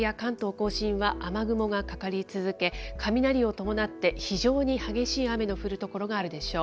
甲信は雨雲がかかり続け、雷を伴って、非常に激しい雨の降る所があるでしょう。